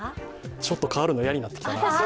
ちょっと代わるの嫌になってきたな。